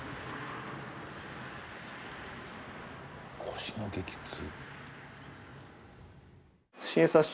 腰の激痛。